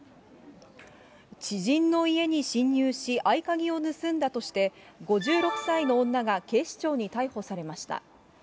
知人の家に侵入し、合鍵を盗んだとして、５６歳の女が警視庁に逮捕されました。